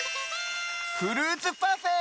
フルーツパフェ！